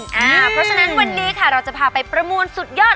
เพราะฉะนั้นวันนี้ค่ะเราจะพาไปประมูลสุดยอด